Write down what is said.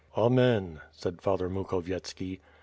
"Amen?" said Father Mukhovyetski.